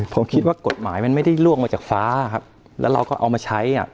ผมคิดว่ากฎหมายมันไม่ได้ล่วงมาจากฟ้าครับแล้วเราก็เอามาใช้อ่ะ